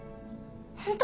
ホント？